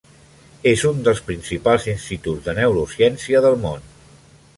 És un dels principals instituts de neurociència del món.